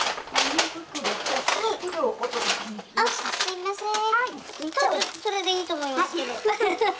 あっすいません。